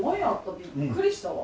びっくりしたわ。